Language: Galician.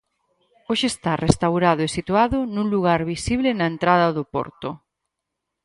Hoxe está restaurado e situado nun lugar visible na entrada do porto.